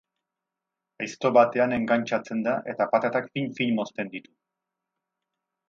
Aizto batean engantxatzen da eta patatak fin-fin mozten ditu.